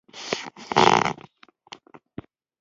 مځکه زموږ د خوشالۍ دلیل ده.